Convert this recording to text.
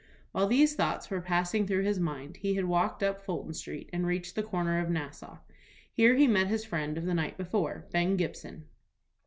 While these thoughts were passing through his mind, he had walked up Fulton Street, and reached the corner of Nassau. Here he met his friend of the night before, Ben Gibson.